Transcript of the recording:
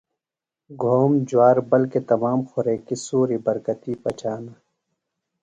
گھوم، جُوار بلکہ تمام خوریکیۡ سُوری برکتی پچانہ۔